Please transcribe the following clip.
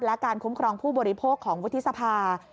และการคุ้มครองผู้บริโภคของวุฒิสภา